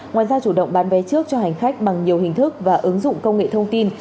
ngoài ra chủ động bán vé trước cho hành khách bằng nhiều hình thức và ứng dụng công nghệ thông tin